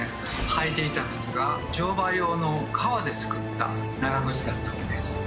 履いていた靴が乗馬用の革で作った長ぐつだったのです。